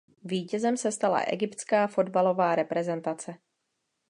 Vítězem se stala Egyptská fotbalová reprezentace.